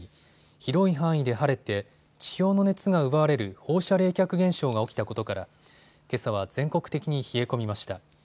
広い範囲で晴れて地表の熱が奪われる放射冷却現象が起きたことからけさは全国的に冷え込みました。